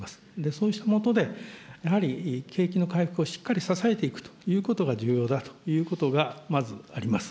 そうしたもとで、やはり景気の回復をしっかり支えていくということが重要だということがまずあります。